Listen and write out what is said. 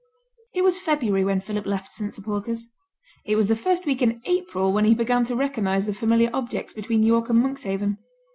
It was February when Philip left St Sepulchre's. It was the first week in April when he began to recognize the familiar objects between York and Monkshaven.